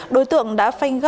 đối tượng đã phanh gấp